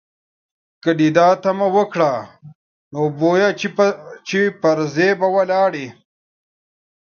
که دې دا تمه وکړه، نو بویه چې پر ځای به ولاړ یې.